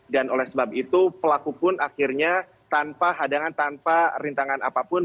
dan oleh sebab itu pelaku pun akhirnya tanpa hadangan tanpa rintangan apapun